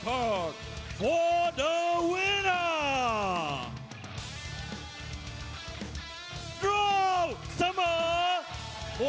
ทุกคนตัวนี้เสมอกันครับ